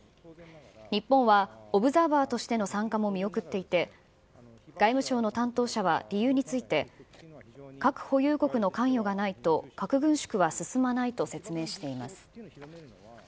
日本はオブザーバーとしての参加も見送っていて、外務省の担当者は理由について、核保有国の関与がないと核軍縮は進まないと説明しています。